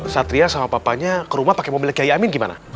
kalian saya antar aja satria sama papanya ke rumah pakai mobil kiai amin gimana